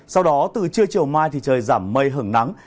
sau đó từ trưa chiều mai thì trời giảm mây hưởng nắng